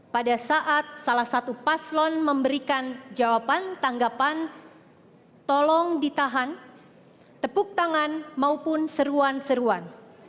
pada saat salah satu paslon memberikan jawaban tanggapan tolong ditahan tepuk tangan maupun seruan seruan